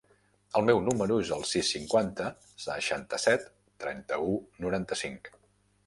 El meu número es el sis, cinquanta, seixanta-set, trenta-u, noranta-cinc.